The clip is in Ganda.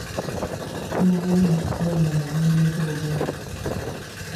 Siimuvumye wabula mugambyeko bugambi.